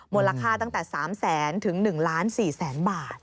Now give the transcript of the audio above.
มูลค่าตั้งแต่๓แสนถึง๑ล้าน๔แสนบาท